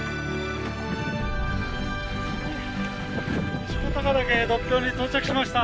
西穂高岳独標に到着しました。